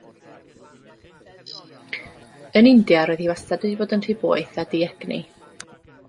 Yn India roedd hi wastad wedi bod yn rhy boeth a diegni.